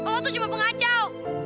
lo tuh cuma pengacau